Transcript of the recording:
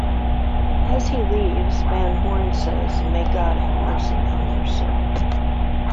As he leaves, Van Horn says, May God have mercy on your soul.